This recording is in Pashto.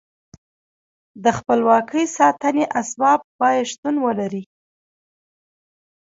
د خپلواکۍ ساتنې اسباب باید شتون ولري.